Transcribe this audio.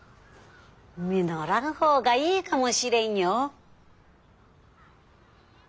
実らぬ方がいいかもしれんよ。